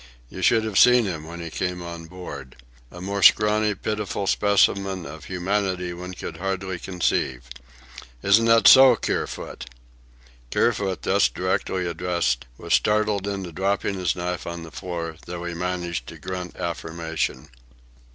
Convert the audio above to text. You should have seen him when he came on board. A more scrawny, pitiful specimen of humanity one could hardly conceive. Isn't that so, Kerfoot?" Kerfoot, thus directly addressed, was startled into dropping his knife on the floor, though he managed to grunt affirmation.